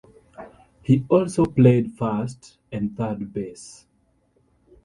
He also played first and third base.